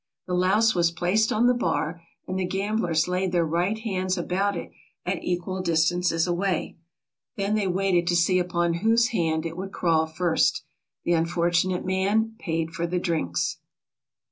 The louse was placed on the bar and the gamblers laid their right hands about it at equal distances away. Then they waited to see upon whose hand it would crawl first. That unfortunate man paid for the drinks."